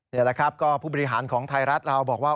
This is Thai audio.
นี่แหละครับก็ผู้บริหารของไทยรัฐเราบอกว่า